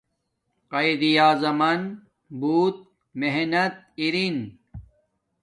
قایداعظمن بوت محنت این